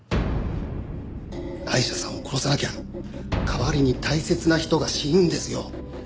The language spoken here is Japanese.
アイシャさんを殺さなきゃ代わりに大切な人が死ぬんですよ。